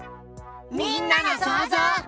みんなのそうぞう。